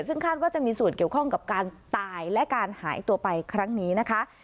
ซึ่งคาดว่าจะมีส่วนเกี่ยวข้องกับการตายและการหายตัวไปครั้งนี้นะคะ